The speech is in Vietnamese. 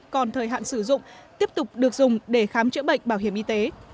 còn thời hạn sử dụng tiếp tục được dùng để khám chữa bệnh bảo hiểm y tế